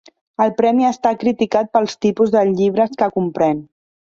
El premi ha estat criticat pels tipus de llibres que comprèn.